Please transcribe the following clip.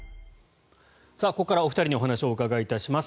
ここからお二人にお話をお伺いいたします。